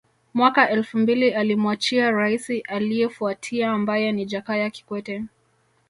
Mwaka elfu mbili alimwachia Raisi aliefuatia ambaye ni Jakaya Kikwete